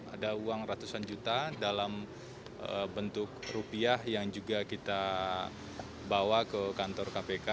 ada uang ratusan juta dalam bentuk rupiah yang juga kita bawa ke kantor kpk